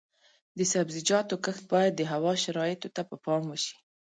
د سبزیجاتو کښت باید د هوا شرایطو ته په پام وشي.